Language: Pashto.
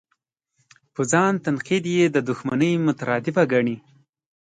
په ځان تنقید یې د دوښمنۍ مترادفه ګڼي.